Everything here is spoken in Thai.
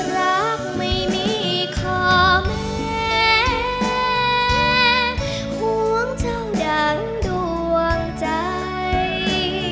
รักไม่มีขอแม่หวงเจ้าดั่งดวงใจ